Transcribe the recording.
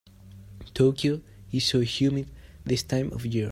Tokyo is so humid this time of year.